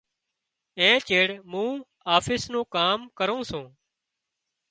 اين چيڙ مُون آفيس نُون ڪام ڪرُون سُون۔